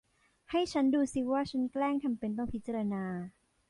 ให้ฉันดูสิว่าฉันแกล้งทำเป็นต้องพิจารณา